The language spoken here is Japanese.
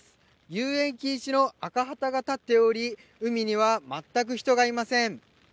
遊泳禁止の赤旗が立っており海には全く人がいません。